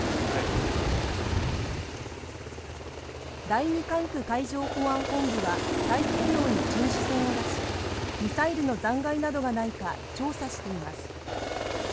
第二管区海上保安本部は太平洋に巡視船を出しミサイルの残骸などがないか調査しています